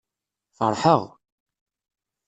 Feṛḥeɣ!